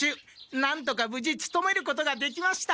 何とかぶじつとめることができました！